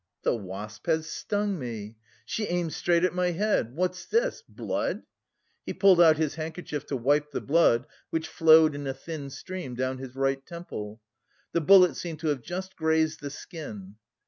"The wasp has stung me. She aimed straight at my head. What's this? Blood?" he pulled out his handkerchief to wipe the blood, which flowed in a thin stream down his right temple. The bullet seemed to have just grazed the skin.